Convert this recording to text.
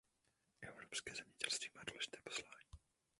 Evropské zemědělství má důležité poslání.